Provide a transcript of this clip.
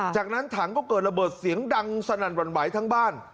จากนั้นถังก็เกิดระเบิดเสียงดังสนั่นหวั่นไหวทั้งบ้าน